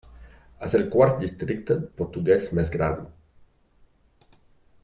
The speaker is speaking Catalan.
És el quart districte portuguès més gran.